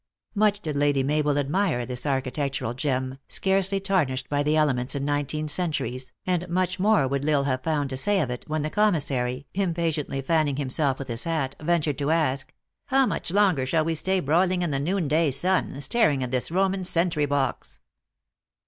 Much did Lady Mabel admire this architectural gem, scarcely tarnished by the elements in nineteen centuries, and much more would L Isle have found to say of it, when the commissary, impatiently fanning himself with his hat, ventured to ask, "how much longer shall we stay broiling in the noon day sun, staring at this Roman sentry box